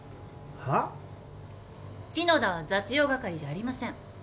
篠田は雑用係じゃありません。